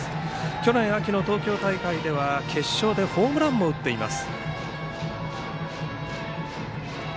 去年秋の東京大会では決勝でホームランも打っています。